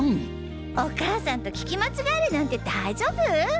お母さんと聞き間違えるなんて大丈夫？